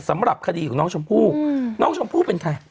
สำหรับคดีของน้องชมพู่น้องชมพู่เป็นใคร